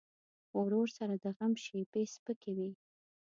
ورور سره د غم شیبې سپکې وي.